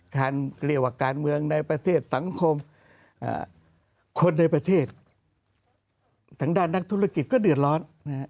เรียกว่าการเมืองในประเทศสังคมคนในประเทศทางด้านนักธุรกิจก็เดือดร้อน